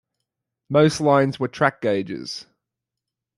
Most lines were track gauges.